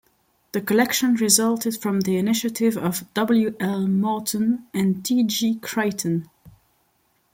The collection resulted from the initiative of W. L. Morton and D. G. Creighton.